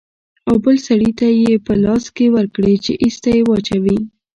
او بل سړي ته يې په لاس کښې ورکړې چې ايسته يې واچوي.